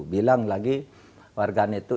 bilang lagi warganet itu